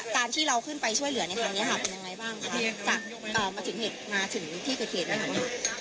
การที่เราขึ้นไปช่วยเหลือในครั้งเนี้ยค่ะเป็นยังไงบ้างค่ะ